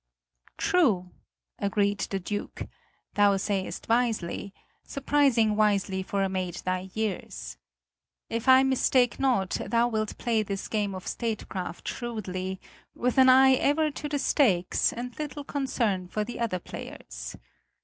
"True," agreed the Duke. "Thou sayest wisely, surprising wisely for a maid thy years. If I mistake not thou wilt play this game of statecraft shrewdly, with an eye ever to the stakes and little concern for the other players.